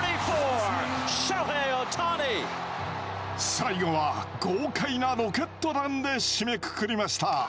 最後は、豪快なロケット弾で締めくくりました。